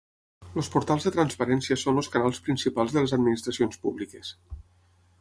Els portals de transparència són els canals principals de les administracions públiques.